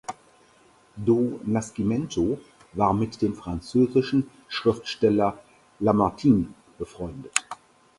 Do Nascimento war mit dem französischen Schriftsteller Lamartine befreundet.